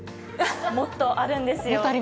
もっとあるんですよ。